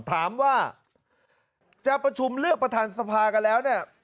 ถามว่าจะประชุมเลือกประธานสภากันแล้วเนี่ย